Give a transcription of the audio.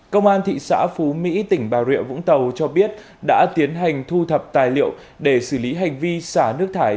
công an thị xã phú mỹ tỉnh bà rịa vũng tàu cho biết đã tiến hành thu thập tài liệu để xử lý hành vi xả nước thải